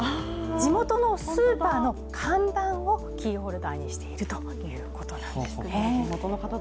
地元のスーパーの看板をキーホルダーにしているということなんですね